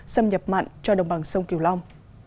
xâm nhập mặn cho đồng bằng sông cửu long